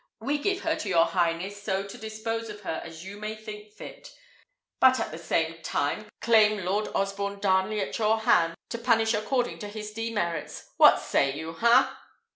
We give her to your highness so to dispose of as you may think fit; but at the same time claim Lord Osborne Darnley at your hands, to punish according to his demerits. What say you? ha!"